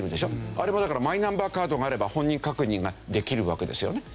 あれもだからマイナンバーカードがあれば本人確認ができるわけですよね。